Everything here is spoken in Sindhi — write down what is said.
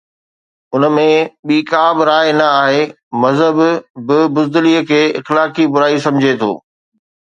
ان ۾ ٻي ڪا به راءِ نه آهي، مذهب به بزدلي کي اخلاقي برائي سمجهي ٿو.